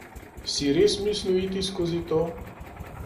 Si res mislil iti skozi to?